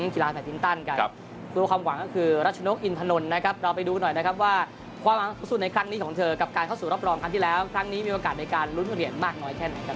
ความความสุดในครั้งนี้ของเธอกับการเข้าสู่รอบรองครั้งที่แล้วครั้งนี้มีโอกาสในการลุ้นเหรียญมากน้อยแค่ไหนครับ